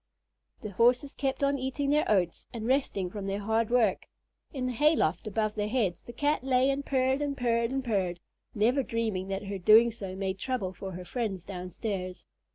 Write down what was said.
The Horses kept on eating their oats and resting from their hard work. In the hay loft above their heads, the Cat lay and purred and purred and purred, never dreaming that her doing so made trouble for her friends downstairs.